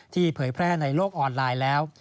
เผยแพร่ในโลกออนไลน์แล้ว